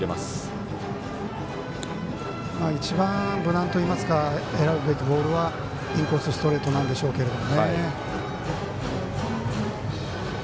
一番無難といいますか選ぶべきボールはインコースストレートなんでしょうけど。